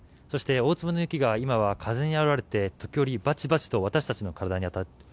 そして大粒の雪が今は風にあおられて時折、バチバチと私たちの体に当たる。